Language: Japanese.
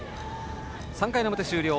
３回表、終了。